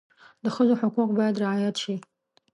د ښځو حقوق باید رعایت شي.